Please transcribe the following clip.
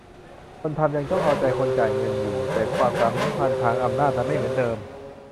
คนทำยังต้อง "เอาใจ" คนจ่ายเงินอยู่ แต่ความสัมพันธ์ทางอำนาจมันไม่เหมือนเดิม